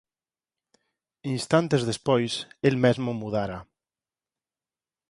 Instantes despois, el mesmo mudara.